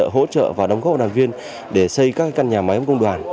hỗ trợ và đóng góp đoàn viên để xây các căn nhà máy ấm công đoàn